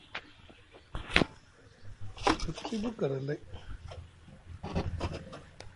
E firyi ɓuk gara lay.